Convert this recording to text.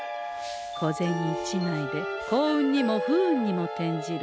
小銭一枚で幸運にも不運にも転じる。